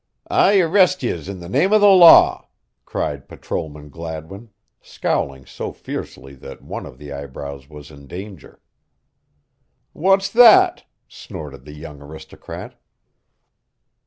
"I arrest yez in the name o' the law," cried Patrolman Gladwin, scowling so fiercely that one of the eyebrows was in danger. "What's that?" snorted the young aristocrat.